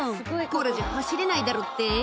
これじゃ走れないだろって？」